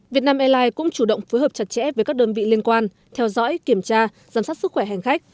việt nam airlines cũng chủ động phối hợp chặt chẽ với các đơn vị liên quan theo dõi kiểm tra giám sát sức khỏe hành khách